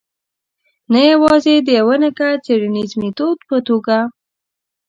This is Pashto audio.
نه یوازې د یوه نګه څېړنیز میتود په توګه.